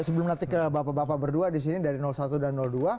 sebelum nanti ke bapak bapak berdua disini dari satu dan dua